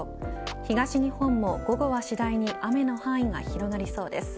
東日本も午後は次第に雨の範囲が広がりそうです。